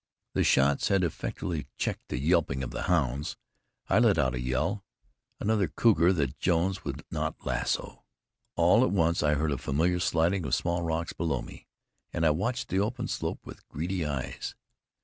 The shots had effectually checked the yelping of the hounds. I let out a yell. Another cougar that Jones would not lasso! All at once I heard a familiar sliding of small rocks below me, and I watched the open slope with greedy eyes.